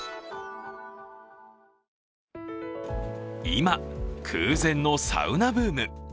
今、空前のサウナブーム。